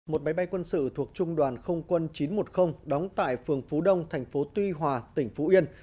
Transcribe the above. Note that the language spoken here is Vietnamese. một máy bay quân sự thuộc trung đoàn không quân chín trăm một mươi đóng tại phường phú đông thành phố tuy hòa tỉnh phú yên